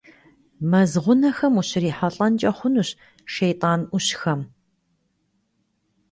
Мэз гъунэхэм ущрихьэлӀэнкӀэ хъунущ шейтӀанӀущхъэм.